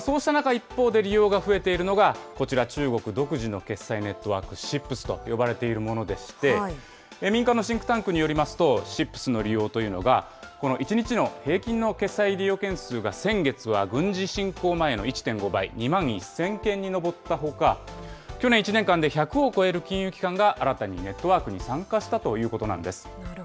そうした中、一方で利用が増えているのが、こちら、中国独自の決済ネットワーク、ＣＩＰＳと呼ばれているものでして、民間のシンクタンクによりますと、ＣＩＰＳの利用というのが、この１日の平均の決済利用件数が先月は軍事侵攻前の１．５倍、２万１０００件に上ったほか、去年１年間で１００を超える金融機関が新たにネットワークに参加なるほど。